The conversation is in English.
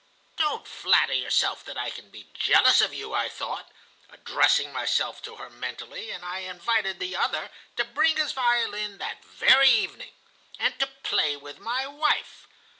'Don't flatter yourself that I can be jealous of you,' I thought, addressing myself to her mentally, and I invited the other to bring his violin that very evening, and to play with my wife.